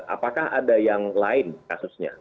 apakah ada yang lain kasusnya